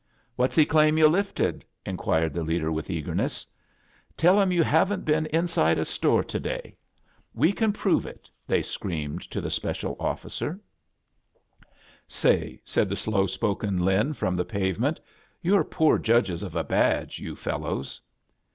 "What's he claim yoti lifted?" inquired the leader, with eagerness. "Tell him you haven't been inside a store to day. "We A JOURNEY IN SEARCH OP CHRISTMAS can prove Hi" they screamed to the special officer. "Say," said the slow <poken Lin frtmi the pavement, "you're poor Judges of a badge* yoo fellows."